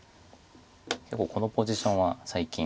結構このポジションは最近。